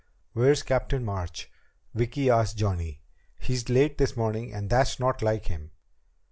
"Where's Captain March?" Vicki asked Johnny. "He's late this morning, and that's not like him."